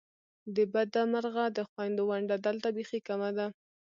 د بده مرغه د خوېندو ونډه دلته بیخې کمه ده !